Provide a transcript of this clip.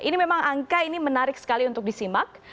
ini memang angka ini menarik sekali untuk disimak